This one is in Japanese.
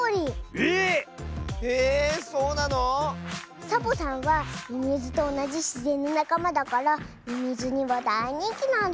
えっ⁉えそうなの⁉サボさんはミミズとおなじしぜんのなかまだからミミズにはだいにんきなんだズー。